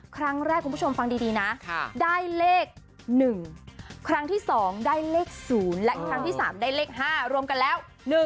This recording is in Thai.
คุณผู้ชมฟังดีนะได้เลข๑ครั้งที่๒ได้เลข๐และครั้งที่๓ได้เลข๕รวมกันแล้ว